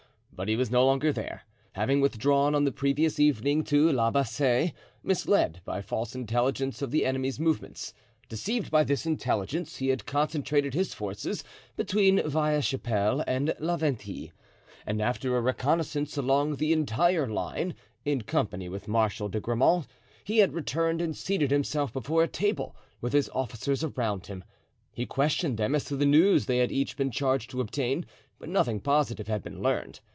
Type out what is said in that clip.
But he was no longer there, having withdrawn on the previous evening to La Bassee, misled by false intelligence of the enemy's movements. Deceived by this intelligence he had concentrated his forces between Vieille Chapelle and La Venthie; and after a reconnoissance along the entire line, in company with Marshal de Grammont, he had returned and seated himself before a table, with his officers around him. He questioned them as to the news they had each been charged to obtain, but nothing positive had been learned.